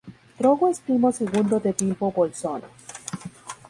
Drogo es primo segundo de Bilbo Bolsón.